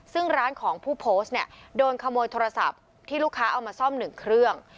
ซึ่งร้านของผู้โพสต์เนี่ยโดนขโมยโทรศัพท์ที่ลูกค้าเอามาซ่อมหนึ่งเครื่อง